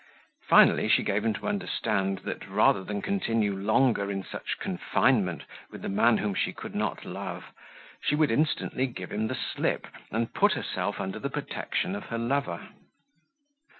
Finally, she gave him to understand, that rather than continue longer in such confinement with the man whom she could not love, she would instantly give him the slip, and put herself under the protection of her lover.